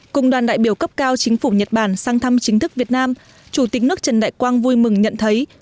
cùng đoàn đại biểu cấp cao chính phủ nhật bản sang thăm chính thức việt nam chủ tịch nước trần đại quang vui mừng nhận thấy